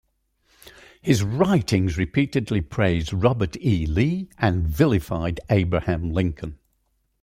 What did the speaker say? His writings repeatedly praised Robert E. Lee and vilified Abraham Lincoln.